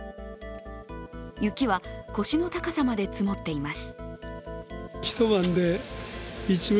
雪は腰の高さまで積もっています。